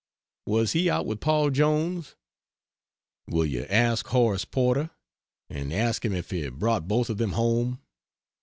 Was he out with Paul Jones? Will you ask Horace Porter? And ask him if he brought both of them home.